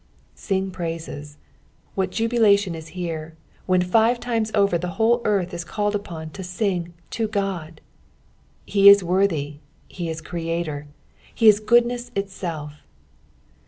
"Bing jtmim." What jubilation is here, when five times over the whole earth is called upon to ainfi to Qod ! Heis worthy, he is Creator, he is goodness Itself.